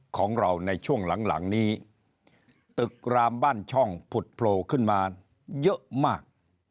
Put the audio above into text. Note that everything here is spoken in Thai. ของเราในช่วงหลังหลังนี้ตึกรามบ้านช่องผุดโผล่ขึ้นมาเยอะมาก